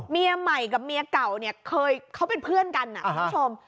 เมียใหม่กับเมียเก่าเนี่ยเคยเขาเป็นเพื่อนกันนะคุณผู้ชม